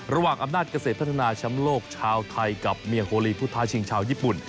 ระหว่างอำนาจเกษตรพัฒนาแชมป์โลกชาวไทยกับเมียโฮลีผู้ท้าชิงชาวญี่ปุ่น